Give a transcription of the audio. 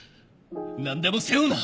何でも背負うな！